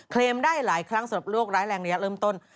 ลมได้หลายครั้งสำหรับโรคร้ายแรงระยะเริ่มต้น